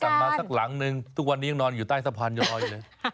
มาสักหลังนึงทุกวันนี้ยังนอนอยู่ใต้สะพานยอยเลย